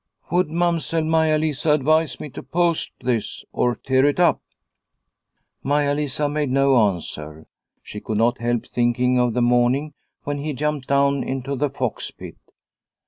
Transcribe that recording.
" Would Mamsell Maia Lisa advise me to post this or to tear it up ?" Maia Lisa made no answer. She could not help thinking of the morning when he jumped down into the fox pit.